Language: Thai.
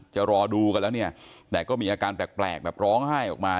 จะรอดูกันแล้วเนี่ยแต่ก็มีอาการแปลกแบบร้องไห้ออกมา